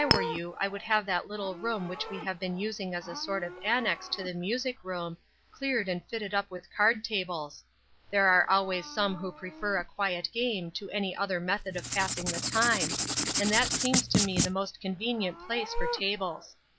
lOJ were you I would have that little room which we have been using as a sort of annex to the music room, cleared and fitted up with card tables. There are always some who prefer a quiet game to any other method of passing the time, and that seems to me the most convenient place for tables.